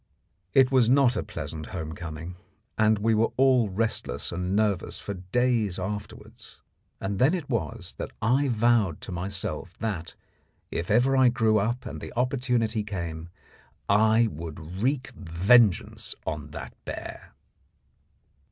It was not a pleasant home coming, and we were all restless and nervous for days afterwards; and then it was that I vowed to myself that, if I ever grew up and the opportunity came, I would wreak vengeance on that bear.